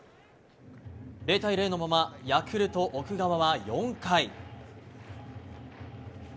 ０対０のままヤクルト、奥川は４回。